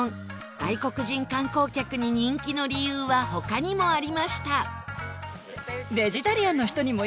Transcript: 外国人観光客に人気の理由は他にもありました